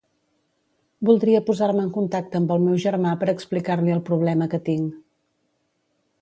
Voldria posar-me en contacte amb el meu germà per explicar-li el problema que tinc.